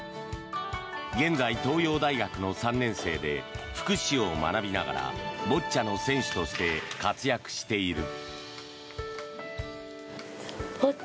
現在、東洋大学の３年生で福祉を学びながらボッチャの選手として活躍している。